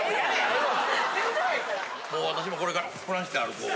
もう私もこれからこないして歩こう。